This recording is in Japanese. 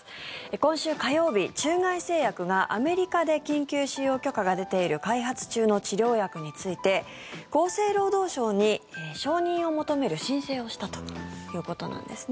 今週火曜日、中外製薬がアメリカで緊急使用許可が出ている開発中の治療薬について厚生労働省に承認を求める申請をしたということなんですね。